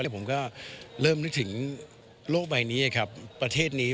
ผมก็เริ่มนึกถึงโลกใบนี้ครับประเทศนี้